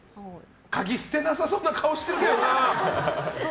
鍵、捨てなさそうな顔してるんだよな。